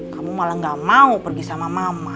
kamu malah gak mau pergi sama mama